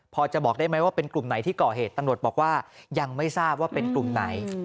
พอจะบอกได้ไหมว่าเป็นกลุ่มไหนที่ก่อเหตุตำรวจบอกว่ายังไม่ทราบว่าเป็นกลุ่มไหน